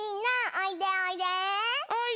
おいで。